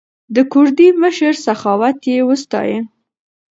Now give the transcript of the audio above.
د کوردي مشر سخاوت یې وستایه.